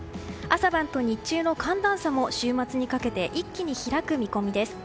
朝晩と日中の寒暖差も週末にかけて一気に開く見込みです。